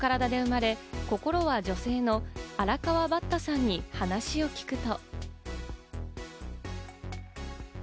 男性の体で生まれ、心は女性の、あらかわばったさんに話を聞くと。